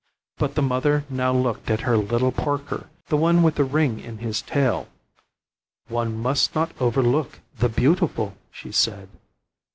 But the mother now looked at her little porker, the one with the ring in his tail, "One must not overlook the beautiful," she said.